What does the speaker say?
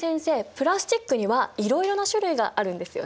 プラスチックにはいろいろな種類があるんですよね？